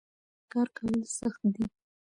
کار کول سخت دي.